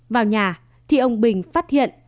vào nhà thì ông bình phát hiện